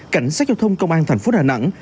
cảnh sát giao thông công an thành phố đà nẵng